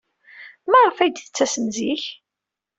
Maɣef ay d-tettasem zik?